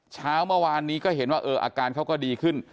เช้าเมื่อวานนี้ก็เห็นว่าอาการเขาก็ดีขึ้น